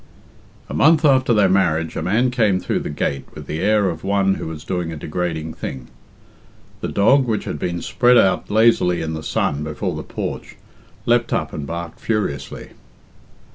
A month after their marriage a man came through the gate with the air of one who was doing a degrading thing. The dog, which had been spread out lazily in the sun before the porch, leapt up and barked furiously.